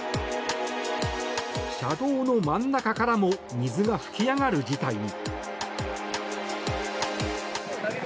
車道の真ん中からも水が噴き上がる事態に。